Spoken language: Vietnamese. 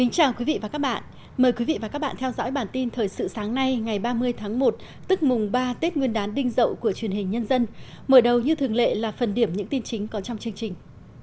chào mừng quý vị đến với bản tin thời sự sáng nay ngày ba mươi tháng một tức mùng ba tết nguyên đán đinh dậu của truyền hình nhân dân mở đầu như thường lệ là phần điểm những tin chính có trong chương trình